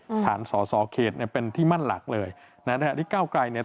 ฐานสอสอเขตเนี้ยเป็นที่มั่นหลักเลยนะฮะที่เก้าไกลเนี่ย